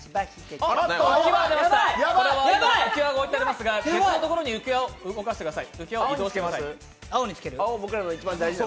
浮き輪が置いてありますが、別のところへ浮き輪を移動してください。